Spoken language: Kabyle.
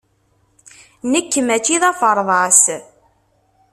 Nekk maci d aferḍas.